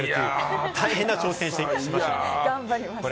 大変な挑戦をしました。